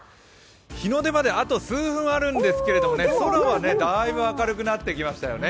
日の出まであと数分あるんですけどもね、空はだいぶ明るくなってきましたよね。